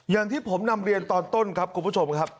อย่างที่ผมนำเรียนตอนต้นครับคุณผู้ชมครับ